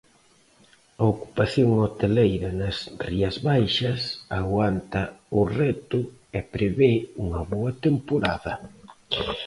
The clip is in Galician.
A ocupación hoteleira nas Rías Baixas aguanta o reto e prevé unha boa temporada.